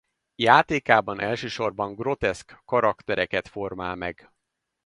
Játékában elsősorban groteszk karaktereket formál meg.